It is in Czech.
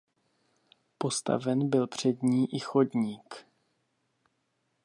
Postaven byl před ní i chodník.